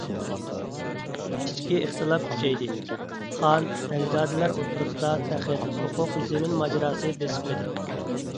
ئىچكى ئىختىلاپ كۈچەيدى، خان، بەگزادىلەر ئوتتۇرىسىدا تەخت، ھوقۇق، زېمىن ماجىراسى بېسىقمىدى.